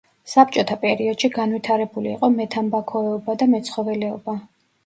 საბჭოთა პერიოდში განვითარებული იყო მეთამბაქოეობა და მეცხოველეობა.